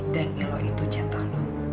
dan milo itu jatah lo